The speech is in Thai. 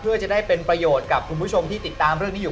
เพื่อจะได้เป็นประโยชน์กับคุณผู้ชมที่ติดตามเรื่องนี้อยู่